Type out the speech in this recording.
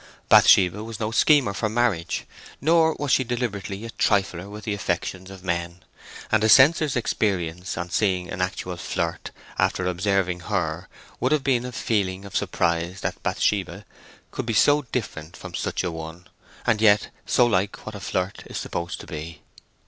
Bathsheba was no schemer for marriage, nor was she deliberately a trifler with the affections of men, and a censor's experience on seeing an actual flirt after observing her would have been a feeling of surprise that Bathsheba could be so different from such a one, and yet so like what a flirt is supposed to be.